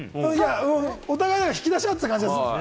お互い引き出し合ってる感じ。